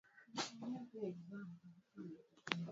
Laumiwa kwa kukosa mimba/mtoto